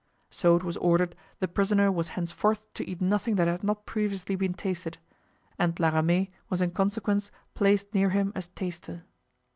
So it was ordered the prisoner was henceforth to eat nothing that had not previously been tasted, and La Ramee was in consequence placed near him as taster.